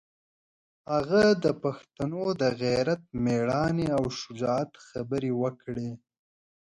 هغه د پښتنو د غیرت، مېړانې او شجاعت خبرې وکړې.